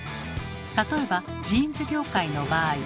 例えばジーンズ業界の場合。